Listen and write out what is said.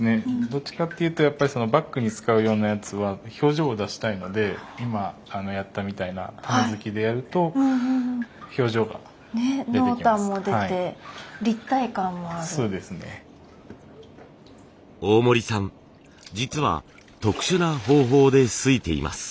どっちかっていうとやっぱりバッグに使うようなやつは表情を出したいので今やったみたいな大森さん実は特殊な方法で漉いています。